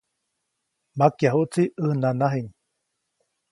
Makyajuʼtsi ʼäj nanajiʼŋ.